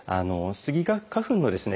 スギ花粉のですね